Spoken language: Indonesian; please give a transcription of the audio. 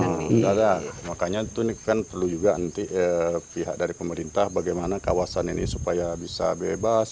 tidak ada makanya itu kan perlu juga nanti pihak dari pemerintah bagaimana kawasan ini supaya bisa bebas